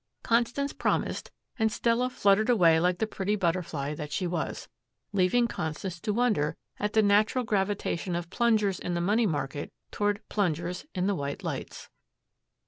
Constance promised and Stella fluttered away like the pretty butterfly that she was, leaving Constance to wonder at the natural gravitation of plungers in the money market toward plungers in the white lights.